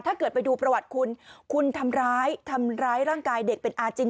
ถ้าเกิดไปดูประวัติคุณคุณทำร้ายทำร้ายร่างกายเด็กเป็นอาจริง